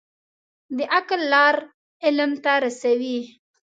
د عقل لار علم ته رسوي.